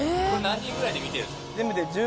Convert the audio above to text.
何人ぐらいで見てるんですか？